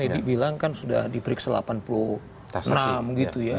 dibilang kan sudah diperiksa delapan puluh enam gitu ya